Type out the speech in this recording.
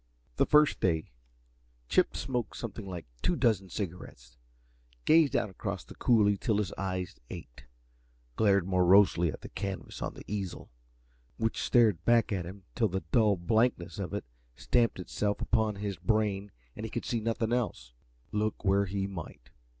That first day Chip smoked something like two dozen cigarettes, gazed out across the coulee till his eyes ached, glared morosely at the canvas on the easel, which stared back at him till the dull blankness of it stamped itself upon his brain and he could see nothing else, look where he might.